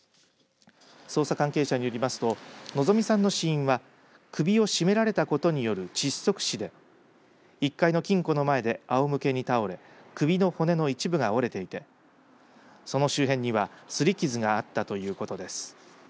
捜査関係者によりますと希美さんの死因は首を絞められたことによる窒息死で１階の金庫の前であおむけに倒れ首の骨の一部が折れていてその周辺にはすり傷があったということです。